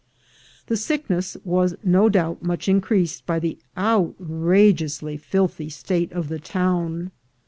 The sickness was no doubt much increased by the outrageously filthy state of the town.